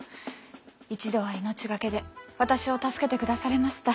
一度は命懸けで私を助けてくだされました。